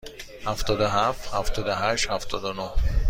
هفتاد و هفت، هفتاد و هشت، هفتاد و نه.